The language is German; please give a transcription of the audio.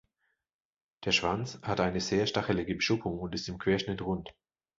Der Schwanz hat eine sehr stachelige Beschuppung und ist im Querschnitt rund.